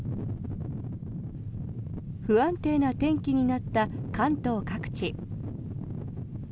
不安定な天気になった関東各地。